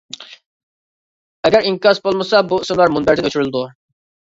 ئەگەر ئىنكاس بولمىسا بۇ ئىسىملار مۇنبەردىن ئۆچۈرۈلىدۇ.